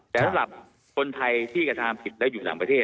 แต่สำหรับคนไทยที่กระทำผิดและอยู่ต่างประเทศ